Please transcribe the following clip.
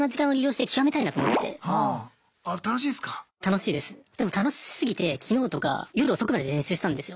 でも楽しすぎてきのうとか夜遅くまで練習したんですよ。